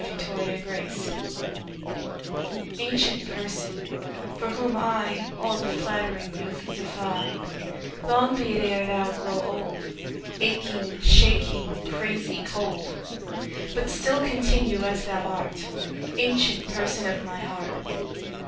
7 Autoplay Ancient Person, for whom I All the flattering youth defy, Long be it e'er thou grow old, Aching, shaking, crazy cold; But still continue as thou art, Ancient Person of my heart.